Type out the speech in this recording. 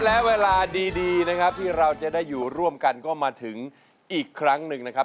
และเวลาดีนะครับที่เราจะได้อยู่ร่วมกันก็มาถึงอีกครั้งหนึ่งนะครับ